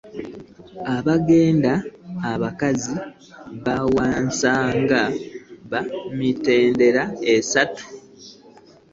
Abaganda abakazi baawasanga ba mitendera esatu.